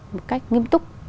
một cách nghiêm túc